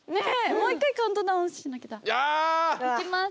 もう一回カウントダウンしなきゃだいきます！